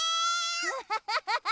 ハハハハハ。